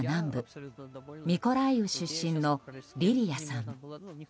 ウクライナ南部ミコライウ出身のリリヤさん。